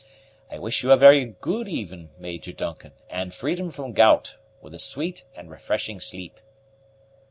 I wish you a very good even, Major Duncan, and freedom from gout, with a sweet and refreshing sleep."